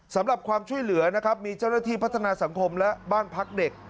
สำหรับความช่วยเหลือนะครับมีเจ้าหน้าที่พัฒนาสังคมและบ้านพักเด็ก